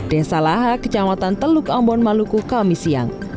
desa lahak kecamatan teluk ambon maluku kami siang